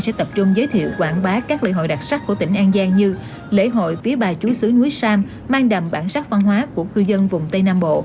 sẽ tập trung giới thiệu quảng bá các lễ hội đặc sắc của tỉnh an giang như lễ hội vía bà chúa sứ núi sam mang đậm bản sắc văn hóa của cư dân vùng tây nam bộ